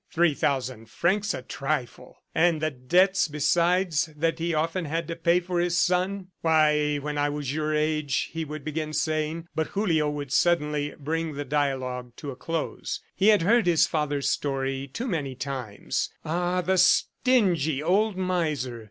"Three thousand francs a trifle!" And the debts besides, that he often had to pay for his son! ... "Why, when I was your age," ... he would begin saying but Julio would suddenly bring the dialogue to a close. He had heard his father's story too many times. Ah, the stingy old miser!